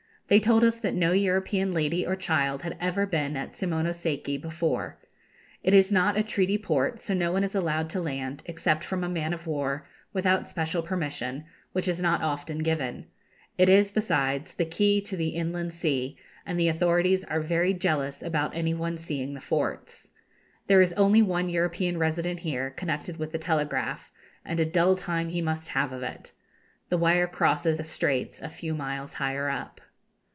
They told us that no European lady or child had ever been at Simono seki before. It is not a treaty port, so no one is allowed to land, except from a man of war, without special permission, which is not often given; it is, besides, the key to the Inland Sea, and the authorities are very jealous about any one seeing the forts. There is only one European resident here, connected with the telegraph; and a dull time he must have of it. The wire crosses the Straits a few miles higher up.